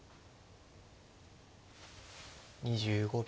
２５秒。